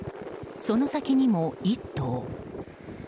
その先にも１頭。